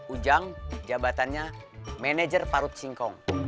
ujang jabatannya manajer parut singkong